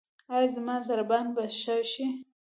ایا زما ضربان به ښه شي؟